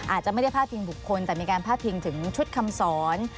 อาจจะไม่ได้พาดพิงบุคคลแต่มีการพาดพิงถึงชุดคำสอน